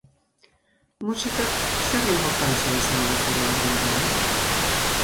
Musikak zer inportantzia izan du zure haur denboran?